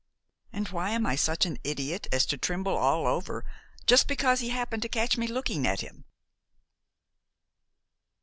And why am I such an idiot as to tremble all over just because he happened to catch me looking at him?"